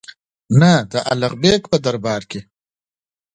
نه د الغ بېګ په دربار کې.